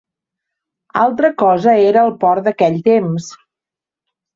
Altra cosa era el port d'aquell temps.